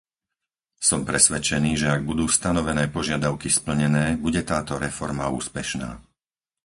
Som presvedčený, že ak budú stanovené požiadavky splnené, bude táto reforma úspešná.